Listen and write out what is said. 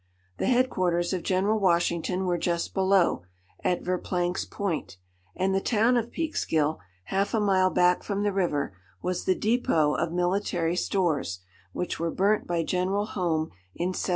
The head quarters of General Washington were just below, at Verplank's Point; and the town of Peekskill, half a mile back from the river, was the depôt of military stores, which were burnt by General Home in 1777.